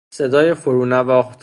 صدای فرو نواخت